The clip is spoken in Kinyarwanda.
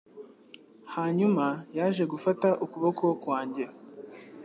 Hanyuma yaje gufata ukuboko kwanjye